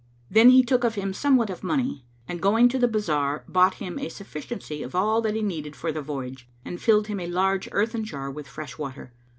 Then he took of him somewhat of money and going to the bazar, bought him a sufficiency of all that he needed for the voyage and filled him a large earthen jar[FN#510] with fresh water.